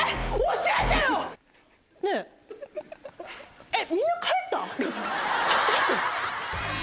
教えてよ！ねぇえっ。